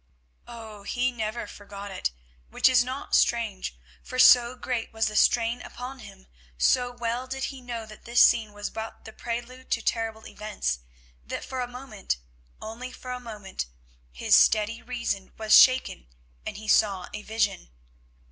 Oh! he never forgot it, which is not strange, for so great was the strain upon him, so well did he know that this scene was but the prelude to terrible events, that for a moment, only for a moment, his steady reason was shaken and he saw a vision.